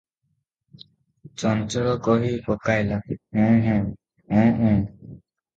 ଚଞ୍ଚଳ କହି ପକାଇଲା, ହୁଁ -ହୁଁ -ଉଁ -ଉଁ ।"